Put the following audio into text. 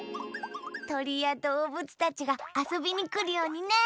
とりやどうぶつたちがあそびにくるようにね！